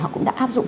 họ cũng đã áp dụng